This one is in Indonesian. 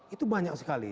itu banyak sekali